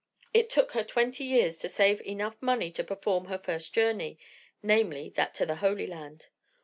It took her twenty years to save enough money to perform her first journey! namely, that to the Holy Land.